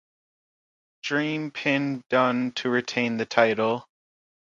Dream pinned Dunne to retain the title.